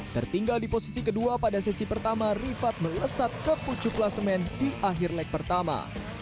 tertinggal di posisi kedua pada sesi pertama rifat melesat ke pucuk kelasemen di akhir leg pertama